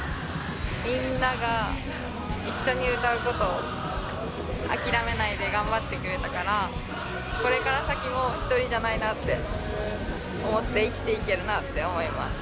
みんなが一緒に歌うことを諦めないで頑張ってくれたからこれから先も一人じゃないなって思って生きていけるなって思います。